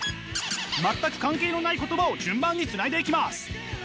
全く関係のない言葉を順番につないでいきます。